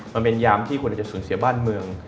มันเป็นยามที่คุณอาจจะสูญเสียบ้านเมือง